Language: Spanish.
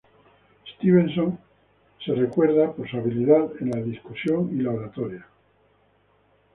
Stevenson es recordado por su habilidad en la discusión y la oratoria.